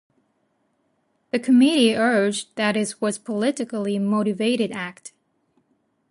The committee urged that it was politically motivated act.